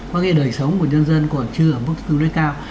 có đời sống của nhân dân còn chưa ở mức tư nơi cao